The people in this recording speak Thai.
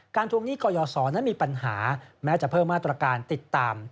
ทวงหนี้กยศนั้นมีปัญหาแม้จะเพิ่มมาตรการติดตาม